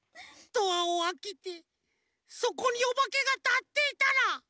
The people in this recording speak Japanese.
ドアをあけてそこにおばけがたっていたら！